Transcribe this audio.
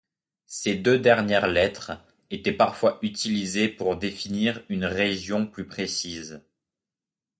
Ces deux dernières lettres étaient parfois utilisées pour définir une région plus précise.